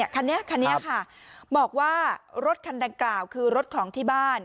คันนี้คันนี้ค่ะบอกว่ารถคันดังกล่าวคือรถของที่บ้าน